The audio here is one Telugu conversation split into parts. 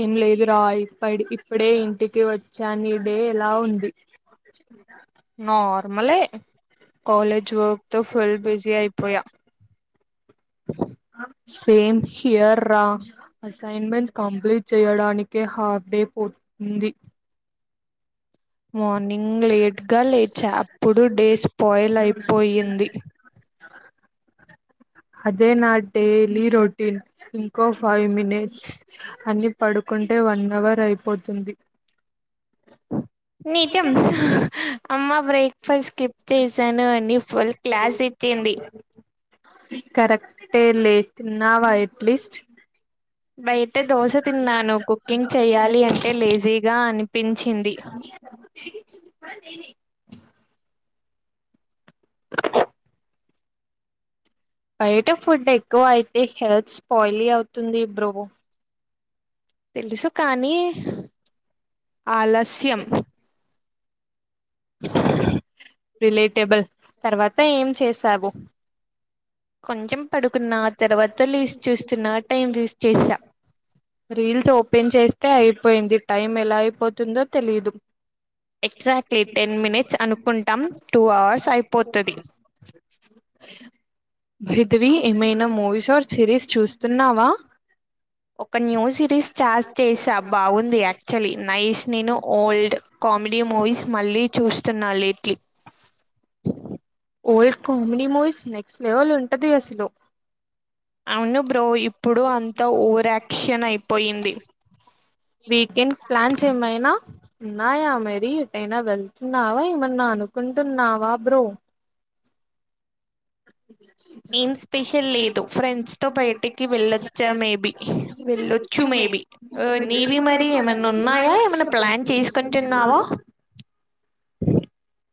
ఏం లేదు రా ఇప్ప ఇప్పుడే ఇంటికి వచ్చా నీ డే ఎలా ఉంది నార్మలే కాలేజ్ వర్క్ తో ఫుల్ బిజీ అయిపోయా సేమ్ హియర్ రా అసైన్మెంట్స్ కంప్లీట్ చేయడానికె హార్ఫ్ డే పోతుంది మ మార్నింగ్ లేట్గా లేచా అప్పుడు డేస్ పాయిల్ అయిపోయింది అదే నా డైలీ రొటీన్ ఇంకో ఫైవ్ మినిట్స్ అన్ని పడుకుంటే వన్ అవర్ అయిపోతుంది. నిచం అమ్మా బ్రేక్ఫాస్ట్ స్కిప్ చేసాను అని ఫుల్ క్లాస్ ఇచ్చింది కరెక్టే లే తిన్నా వైట్ లిస్ట్ బయట దోశ తిన్నాను కుకింగ్ చెయ్యాలి అంటే లేజీగా అనిపించింది. ఇ చింది కూడా నను బయట ఫుడ్ ఎక్కువ అయితే హెల్త్ స్పాయిలీ అవుతుంది బ్రో తెలుసు కానీ ఆలస్యం రిలేటబుల్ తర్వాత ఏం చేసావు కొంచం పడుకున్నా తర్వాత లీస్ట్ చూస్తున్నా టైం వేస్ట్ చేస రీల్స్ ఓపెన్ చేస్తే అయిపోయింది టైం ఎలా అయిపోతుందో తెలిదు ఎగ్జాక్ట్లీ టెన్ మినిట్స్ అనుకుంటాం టూ అవర్స్ అయిపోతది బిధవి ఏమైనా మూవీస్ ఆర్ సిరీస్ చూస్తున్నావా ఒక న్యూ సిరీస్ స్టార్ట్ చేసా బాగుంది యాక్చువల్లీ నైస్ నేను ఓల్డ్ కామెడీ మూవీస్ మళ్ళీ చూస్తున్నా lately old comedy movies next level ఉంటది అసలు అవును రో ఇప్పుడు అంత ఓవరాక్షన్ అయిపోయింది. వీకెండ్ ప్లాన్స్ ఏమైనా ఉన్నాయా మరి ఎటైనా వెళ్తున్నావా ఏమన్నా అనుకుంటున్నావా బ్రో ఏం స్పెషల్ లేదు ఫ్రెండ్స్ తో బయటికి వెళ్ళొచ్చా మేబి వెళ్ళొచ్చు మేబి నేవి మరి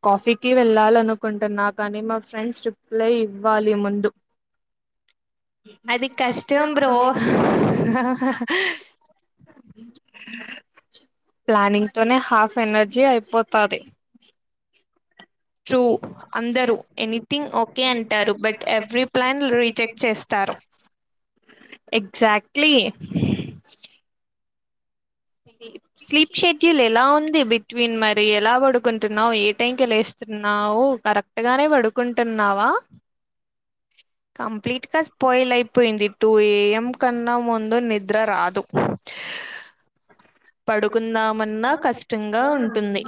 కాఫీ కి వెళ్ళా లనుకుంటున్నా కానీ మా ఫ్రెండ్స్ రిప్లై ఇవ్వాలి ముందు అది కష్టం బ్రో ప్లానింగ్ తోనే హాఫ్ ఎనర్జీ అయిపోతాది ట్రూ అందరూ ఎనీథింగ్ ఓకే అంటారు బట్ ఎవ్రీ ప్లాన్ రీజెక్ట్ చేస్తారు స్లీప్ షెడ్యూల్ ఎలా ఉంది బిట్ ట్వీన్ మరి ఎలా పడుకుంటున్నావు ఏ టైంకి వెళ్ళస్తున్నావు కరెక్ట్గానే పడుకుంటున్నావా కంప్లీట్ గా స్పాయిల్ అయిపోయింది టటు ఏఎం కన్నా ముందు నిద్ర రాదు పడుకుందామన్నా కష్టంగా ఉంటుంది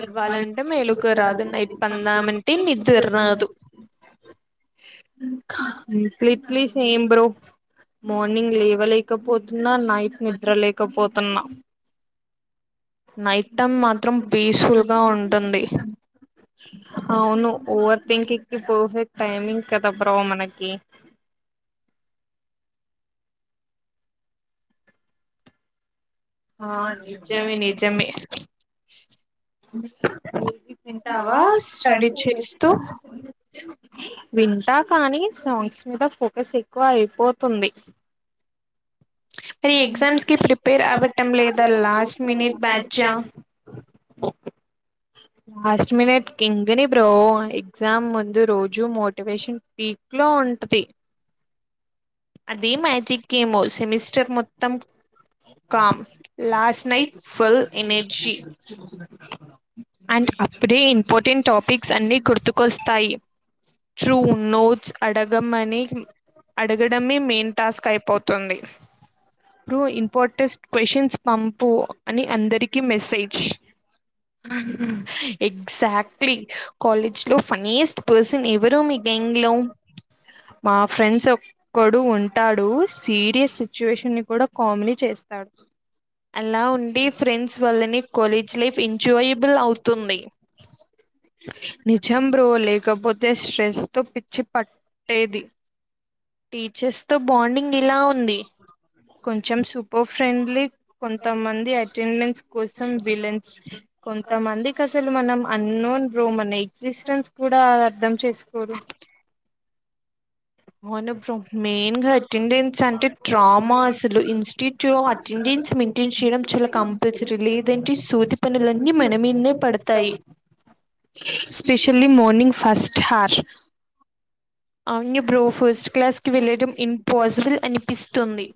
ఇవ్వాలంటే మేలుకు రాదు నైట్ పందామంటే నిీదు రాదు కంప్లీట్లీ సేమ్ బ్రో మార్నింగ్ లేవలేకపోద్ న్నా నైట్ నిద్రలేకపోతున్నా నైట్ టైం మాత్రం పీస్ఫుల్ గా ఉంటుంది ఓవర్ థింకింగ్కిి పెర్ఫరక్ట్ టైమింగ్ కదా బ్రో మనకి ఆా నిజమే నిజమే తింటావా స్టడీ వింటా కానీ సాంగ్స్ మీద ఫోకస్ ఎక్కువ అయిపోతుంది మరి ఎగ్జామ్స్ కి ప్రిపేర్ అవ్వటం లేదా last minute batch last minute క ఇింగని బ్రో ఎగ్జామ్ ముందు రోజు మోటివేషన్ పీక్ లో ఉంటది అదే మ్యాజిక్ గేమో సెమిస్టర్ మొత్తం calm last night full energy ఓ అండ్ అప్పుడే ఇంపార్టెంట్ టాపిక్స్ అన్ని కుర్తు ట్రూ నోట్స్ అడగంమణి అడగడమే మెయిన్ టాస్క్ అయిపోతుంది ఇూ ఇంపార్టెన్స్ట్ క్వ్చన్స్ పంపు అని అందరికీ మెసేజ్ ఎక్సక్ట్లీ కాలేజ్ లో ఫన్నీస్ట్ పర్సన్ ఎవరు మీ గ్యాంగ్ లో ఒకడు ఉంటాడు సీరియస్ సిచ్యువేషన్ ని కూడా కామెడీ చేస్తాడు అలా ఉండి ఫ్రెండ్స్ వల్లనే కాలేజ్ లైఫ్ ఎంజాయబుల్ అవుతుంది నిజం బ్రో లేకపోతే స్ట్రెస్ తో పిచ్చి పట్టేది టీచర్స్ తో బాండింగ్ ఇలా ఉంది కొంచెం సూపర్ ఫ్రెండ్లీ కొంత మంది ఆయితు టెెన్స్ కోసం విలన్స్ కొంతమందికి మనం అన్నోన్ బ్రో మనకి క్రిస్టన్స్ కూడా అర్థం చేసుకోరు స్పెషలీ మార్నింగ్ ఫస్ట్ హార్ష్ అవును బ్రోఫు ఫస్ట్ క్లాస్ కి వెళ్ళడం ఇంపాసిబుల్ అనిపిస్తుంది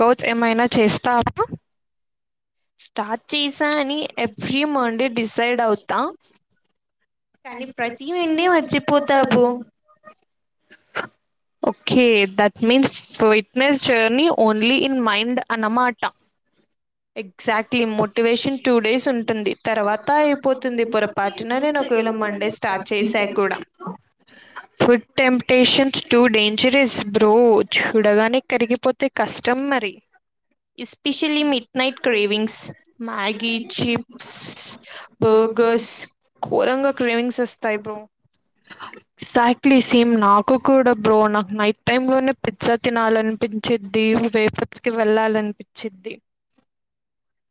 కోచ్ ఏమైనా చేస్తావా స్టార్ట్ చేసా అని ఎవ్రీ మండే డిసైడ్ అవుతా కానీ ప్రతి మండే మర్చిపోతా bro okay that means fitness journey only in mind అన్నమాట exactly food temptations too dangerous bro చూడగానే కరిగిపోతే కష్టం మరి especially midnight cravings Maggi, chips, burgers గోరంగా క్రేవింగ్స్ వస్తాయి, బ్రో ఎగ్జాక్ట్లీ సేమ్ నాకు కూడా బ్రో నాకు నైట్ టైమ్ లోనే పిజ్జా తినాలనిపించిద్ది వేఫర్స్కి వెళ్ళాలనిపించిద్ది [unintelligible]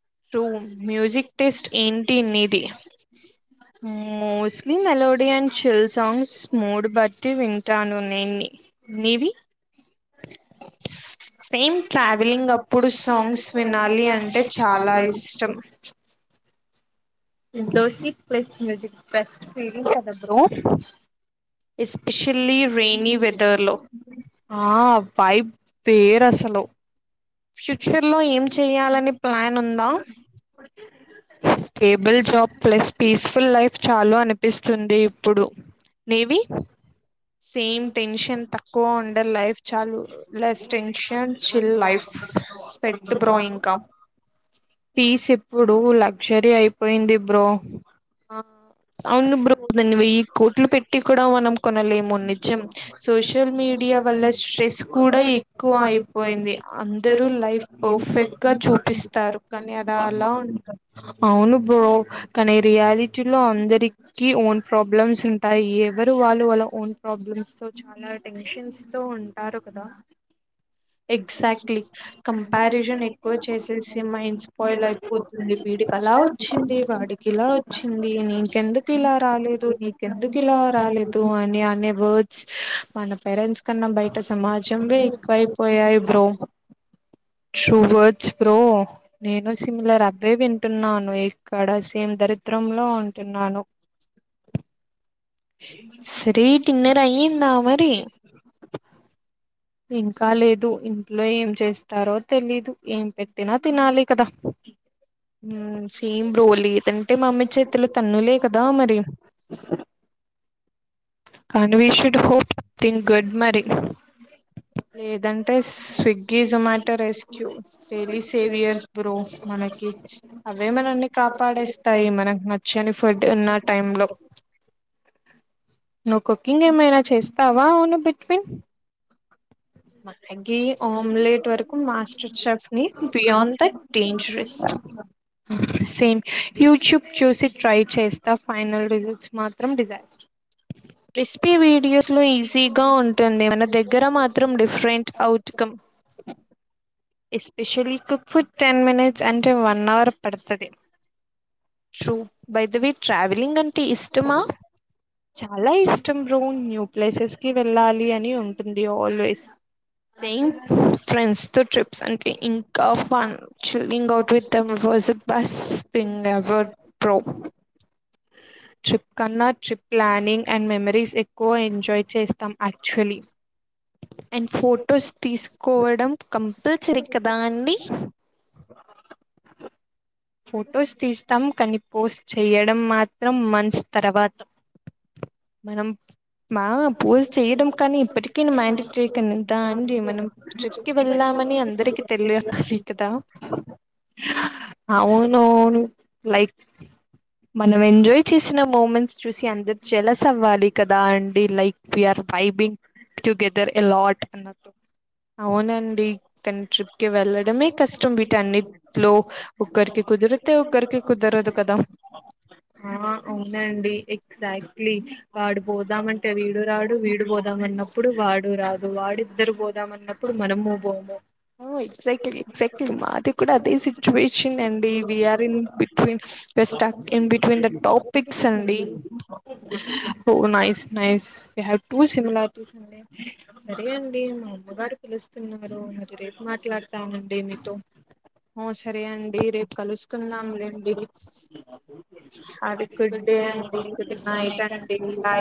మోస్ట్లీమెలోడ్ లియన్ షిల్ సాంగ్స్ మోడ్ బట్టి వింటాను నేన్ని నీవి సేమ్ ట్రావెలింగ్ అప్పుడు సాంగ్స్ వినాలి అంటే చాలా ఇష్టం. దోషి ప్లస్ మ్యూజిక్ బెస్ట్ ఫీలింగ్ కదా బ్రో ఆ వైబ్ వేరు అసలు యాక్చువలీ నేనేం చేయాలనుకుం [unintelligible] న stable job plus peaceful life చాలు అనిపిస్తుంది ఇప్పుడు నీవి పీస్ ఇప్పుడు లా చెర్రీ అయిప్ పోయింది బ్రో ఆ అవును బ్రో దన్ని వెయ్యి కోట్లు పెట్టి కూడా మనం కొనలేము నిజం సోషల్ మీడియా వల్ల స్ట్రెస్ కూడా ఎక్కువ అయిపోయింది. అందరూ లైఫ్ పర్ఫెక్ట్ గా చూపిస్తారు కానీ అది అలా ఉన్, అవును బ్రో కానీ రియాలిటీ లో అందరికి ఓన్ ప్రాబ్లమ్స్ ఉంటాయి. ఎవరు వాళ్ళు వాళ్ళ ఓన్ ప్రాబ్లమ్స్ తో చాలా టెన్షన్స్ తో ఉంటారు కదా, ఎగ్జాక్ట్లీ కంపారిజన్ ఎక్కువ చేసేసి మైండ్ స్పాయిల్ అయిపోతుంది వీడికి అలా వచ్చింది వాడికి ఇలా వచ్చింది నీకెందుకు ఇలా రాలేదు నీకెందుకు ఇలా రాలేదు అని అనే వర్డ్స్ మన పేరెంట్స్ కన్నా బయటా సమాజం దే పోయాయి బ్రో ట్రూ వర్డ్స్ బ్రో నేను సిమిలర్ అవే వింటున్నాను ఇక్కడ సేమ్ దరిద్రంలో ఉంటున్నాను ఇంకా లేదు ఇంట్లో ఏం చేస్తారో తెలీదు ఏం పెట్టినా తినాలి కదా సేమ్ రోల్ ఏదంటే మా అమ్మీ చేతులు తన్నులే కదా మరి కానీడ్ we should hope thing good మరి లేదంటే Swiggy Zomato rescue daily saviours bro మనకి అవే మనన్ని కాపాడేస్తాయి మనకి నచ్చని ఫుడ్ ఉన్న టైం లో కిం ఏమైనా చేస్తావా అవును బిట్విన్ సేమ్ యూట్యూబ్ చూసి ట్రై చేస్తా ఫైనల్ రిజల్ట్స్ మాత్రం డిజాస్టర్ రెసిపీ వీడియోస్లో ఈజీగా ఉంటుంది మన దగ్గర మాత్రం different outcome especially cook food ten minutes అంటే వన్ అవర్ పడతది ట్రూ బైద వే ట్రావెలింగ్ అంటే ఇష్టమా న్యూ ప్లేసెస్ కి వెళ్ళాలి అని ఉంటుంది ఆల్వేస్ సేమ్ ఫ్రెండ్స్ తో ట్రిప్స్ అంటే ఇంకా fun thrilling with the best thing ఎవ ప్రో ట్రిప్ కన్నా ట్రిప్ ప్లానింగ్ అండ్ మెమరీస్ ఎక్కువ ఎంజాయ్ చేస్తాం యాక్చువల్లీ అండ్ ఫొటోస్ తీసుకోవడం కంపల్ విచ్చరికదా అండి ఫొటోస్ తీస్తాం కానీ పోస్ట్ చేయడం మాత్రం మంత్స్ తర్వాత మావా పోస్ చేయడం కానీ ఇప్పటిక మైండ్ చేయకనిద్దా అండి మనం ట్రిప్కి వెళ్ళామని అందరికి తెలియాలి కదా నో లైక్ మనం ఎంజాయ్ చేసిన మూమెంట్స్ చూసి అందరు చెలస్ అవ్వాలి కదా అండి like we are vibing living together a lot అన్నట్టు అవునండి ట్రిప్ కి వెళ్ళడమే కష్టం వీటి అన్నిట్లో ఒకరికి కుదిరితే ఒకరికి కుద్దరదు కదా ఆ అవునండి ఎగ్జాక్ట్లీ వాడు పోదాము అ వీడు రాడు వీడు పోదామ అన్నప్పుడు వాడు రాదు వాడిద్దరు పోదామ అన్నప్పుడు మనము పోము ఎక్జాక్ట్లీ ఎక్సాక్ట్లీ మాది కూడా అదే సిచ్యువేషన్ అండి we are in between west oh nice nice we have two similarities అండి సరే అండి మా అమ్మగారు పిలుస్తున్నారు మరి రేపు మాట్లాడతామండి మీతో ఓ సరే అండి రేపు కలుసుకుందాం లెండి అది గుడ్ డే అండి గుడ్ నైట్ అండి బై